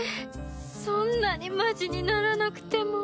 そんなにマジにならなくても